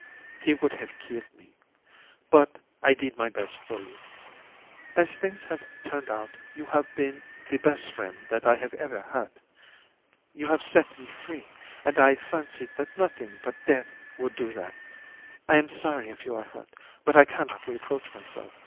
He would have killed me. But I did my best for you. As things have turned out, you have been the best friend that I have ever had. You have set me free, and I fancied that nothing but death would do that. I am sorry if you are hurt, but I cannot reproach myself.